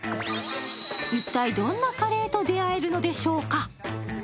一体、どんなカレーと出会えるのでしょうか。